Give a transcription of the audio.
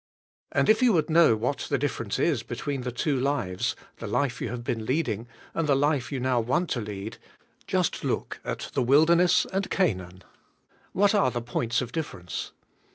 And if you would know what the difference is between the two lives — the life you have been leading, and the life you now want to lead, just look at the wilderness and Canaan. What are the points of difference?